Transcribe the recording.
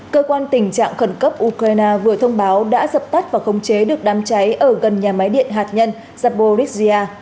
cơ quan tình trạng khẩn cấp ukraine vừa thông báo đã dập tắt và khống chế được đám cháy ở gần nhà máy điện hạt nhân zaborisia